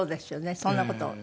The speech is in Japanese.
そんな事を父も。